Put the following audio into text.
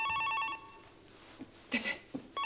☎出て。